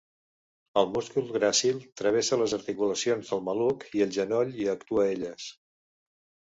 El múscul gràcil, travessa les articulacions del maluc i el genoll i actua elles.